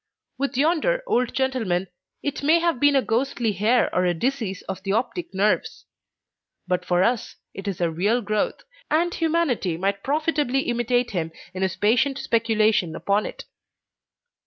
With yonder old gentleman it may have been a ghostly hair or a disease of the optic nerves; but for us it is a real growth, and humanity might profitably imitate him in his patient speculation upon it.